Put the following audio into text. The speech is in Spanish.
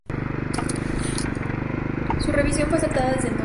Su revisión fue aceptada desde entonces.